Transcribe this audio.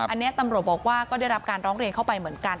อันนี้ตำรวจบอกว่าก็ได้รับการร้องเรียนเข้าไปเหมือนกัน